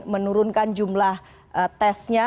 menurunkan jumlah tesnya